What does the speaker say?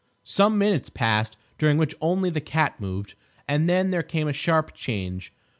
Some minutes passed, during which only the cat moved, and then there came a sharp change.